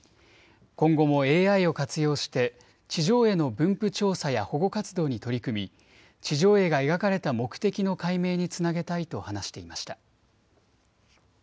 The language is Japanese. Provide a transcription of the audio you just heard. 今後もＡＩを活用して地上絵の分布調査や保護活動に取り組み地上絵が描かれた目的の解明につなげたいと話していました。